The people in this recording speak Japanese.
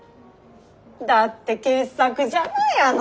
だって傑作じゃないあの人。